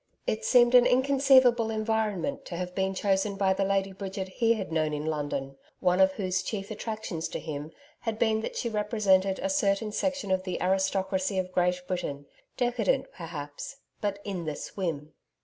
It seemed an inconceivable environment to have been chosen by the Lady Bridget he had known in London, one of whose chief attractions to him had been that she represented a certain section of the aristocracy of Great Britain, decadent perhaps, but 'in the swim.'